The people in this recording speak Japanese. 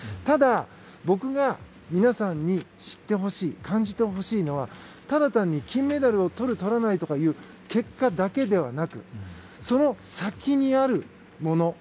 ただ、僕が皆さんに知ってほしい感じてほしいのはただ単に金メダルをとるとらないという結果だけではなくその先にあるもの。